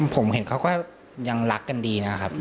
ผมเห็นเขาก็ยังรักกันดีนะครับ